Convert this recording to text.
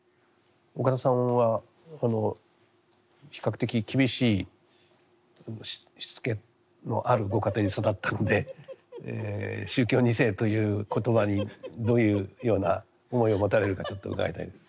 岡田さんは比較的厳しいしつけのあるご家庭に育ったので宗教２世という言葉にどういうような思いを持たれるかちょっと伺いたいです。